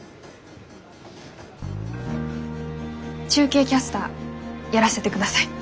中継キャスターやらせてください。